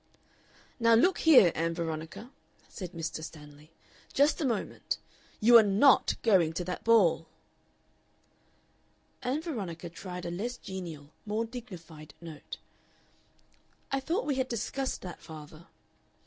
"Now look here, Ann Veronica," said Mr. Stanley, "just a moment. You are NOT going to that ball!" Ann Veronica tried a less genial, more dignified note. "I thought we had discussed that, father."